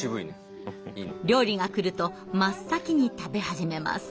料理が来ると真っ先に食べ始めます。